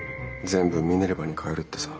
全部ミネルヴァに替えるってさ。